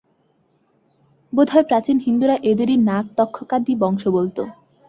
বোধ হয় প্রাচীন হিন্দুরা এদেরই নাগ-তক্ষকাদি বংশ বলত।